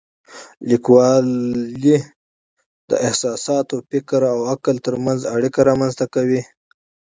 لیکوالی د احساساتو، فکر او عقل ترمنځ اړیکه رامنځته کوي.